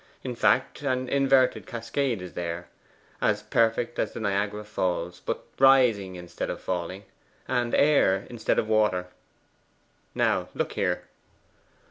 In fact, an inverted cascade is there as perfect as the Niagara Falls but rising instead of falling, and air instead of water. Now look here.